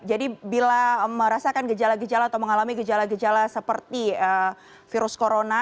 bila merasakan gejala gejala atau mengalami gejala gejala seperti virus corona